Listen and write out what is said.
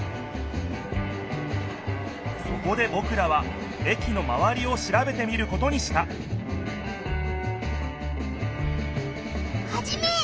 そこでぼくらは駅のまわりをしらべてみることにしたハジメ！